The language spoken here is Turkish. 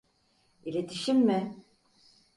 İletişim mi?